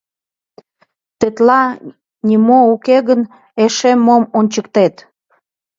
Тетла нимо уке гын, эше мом ончыктет?